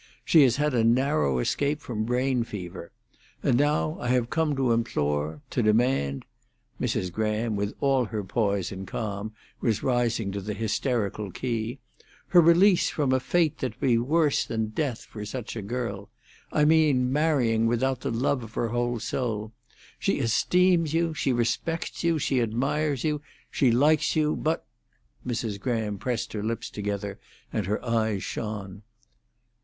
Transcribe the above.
She has had a narrow escape from brain fever. And now I have come to implore, to demand"—Mrs. Graham, with all her poise and calm, was rising to the hysterical key—"her release from a fate that would be worse than death for such a girl. I mean marrying without the love of her whole soul. She esteems you, she respects you, she admires you, she likes you; but—" Mrs. Graham pressed her lips together, and her eyes shone.